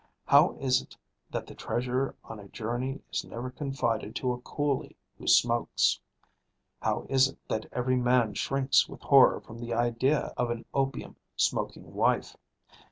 How is it that the treasure on a journey is never confided to a coolie who smokes? How is it that every man shrinks with horror from the idea of an opium smoking wife?